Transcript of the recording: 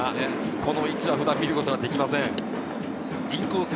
この映像は普段見ることができません。